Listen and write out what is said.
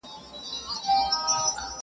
په لرغونو زمانو کي یو حاکم وو،